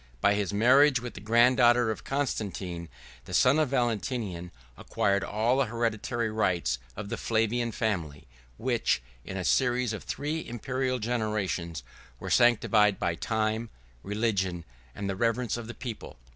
By his marriage with the granddaughter of Constantine, the son of Valentinian acquired all the hereditary rights of the Flavian family; which, in a series of three Imperial generations, were sanctified by time, religion, and the reverence of the people.